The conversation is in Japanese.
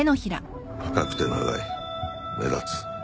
深くて長い目立つ。